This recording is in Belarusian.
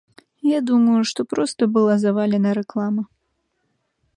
Я думаю, што проста была завалена рэклама.